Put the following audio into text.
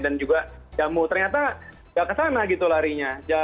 dan juga jamu ternyata tidak ke sana gitu larinya